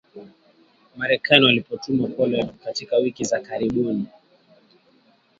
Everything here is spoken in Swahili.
Marekani waliotumwa Poland katika wiki za karibuni